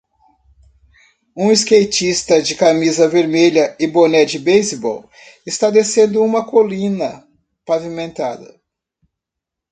Um skatista de camisa vermelha e boné de beisebol está descendo uma colina pavimentada.